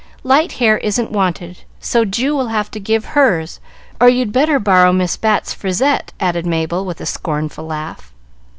"Light hair isn't wanted, so Ju will have to give hers, or you'd better borrow Miss Bat's frisette," added Mabel, with a scornful laugh.